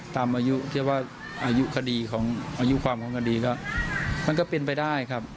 ตามอายุความของคดีมันก็เป็นไปได้ครับ